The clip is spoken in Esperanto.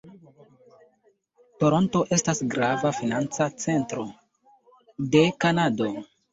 Toronto estas grava financa centro de Kanado.